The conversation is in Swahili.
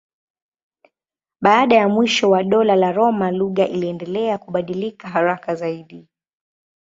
Baada ya mwisho wa Dola la Roma lugha iliendelea kubadilika haraka zaidi.